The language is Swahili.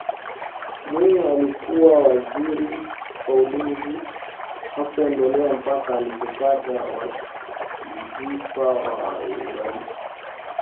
Mwinyi alikuwa waziri wa ulinzi hakuondolewa mpaka alipopata wazifa wa urais